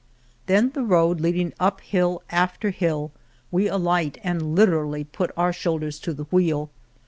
Then the road leading up hill after hill, we alight and literally put our shoulders to the wheel.